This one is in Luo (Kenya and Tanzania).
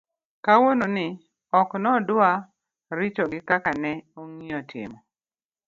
kawuono ni, ok nodwa ritogi kaka ne ong'iyo timo